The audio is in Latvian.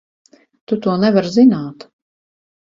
Tu to nevari zināt!